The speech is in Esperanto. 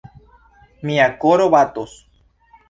Mia koro batos!